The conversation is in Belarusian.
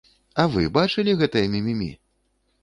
А вы бачылі гэтае мімімі?